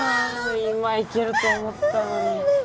今いけると思ったのにねえ